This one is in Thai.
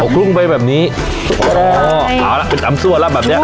อ๋อพลุกไปแบบนี้อ๋อเอาล่ะเป็นตำสั่วแล้วแบบเนี้ยอุ้ย